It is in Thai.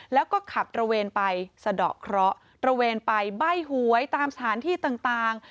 แล้วก็ขับตระเวนไปสะดอกเคราะห์ตระเวนไปใบ้หวยตามสถานที่ต่าง